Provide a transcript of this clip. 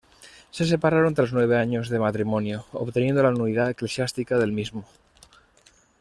Se separaron tras nueve años de matrimonio, obteniendo la nulidad eclesiástica del mismo.